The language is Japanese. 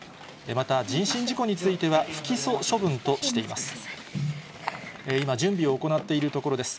また人身事故については、不起訴処分としています。